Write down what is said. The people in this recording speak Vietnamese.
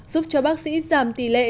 giúp cho bác sĩ giảm tỷ lệ